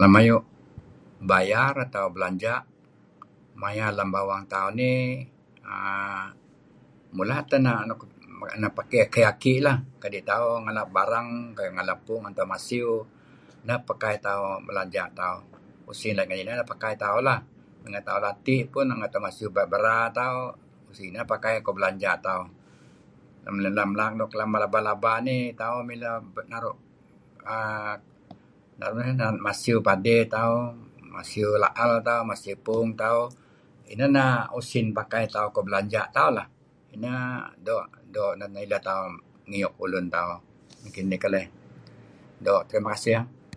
Lem ayu' bayar atau belanja' maya' lam bawang tauh nih uhm mula' teh na' pakai aki'-aki' lah. Kadi' tauh ngalap barang kayu' tauh ngalap puung masiew, neh pakai tauh belanja' tauh. Usin nuk ineh pakai tauh lah. Nru' ;ati' peh renga' tauh masiew bera tauh ineh pakai tauh kuh belanja tauh. Lam laak nuk tuda' laba nih tauh mileh naru' uhm naru' masiew barang tauh, masiew laal tauh, teripun tauh. Ineh nah usin pakai tauh kuh belanja' tauh lah. Nah doo' inan ileh tauh ngiuk ulun tauh. Kinih keleh. Doo' terima kasih leh.